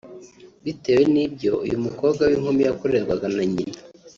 bitewe n’ibyo uyu mukobwa w’inkumi yakorerwaga na Nyina